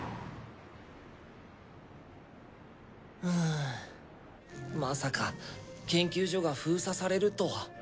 うんまさか研究所が封鎖されるとは。